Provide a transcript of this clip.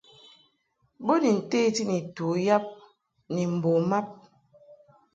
Bo ni nteti ni tu yab ni mbo mab.